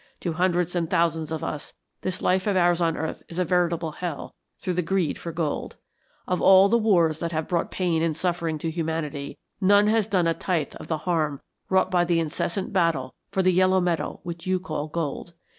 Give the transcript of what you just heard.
To hundreds and thousands of us this life of ours on earth is a veritable hell through the greed for gold. Of all the wars that have brought pain and suffering to humanity, none has done a tithe of the harm wrought by the incessant battle for the yellow metal which you call gold.